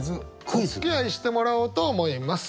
おつきあいしてもらおうと思います！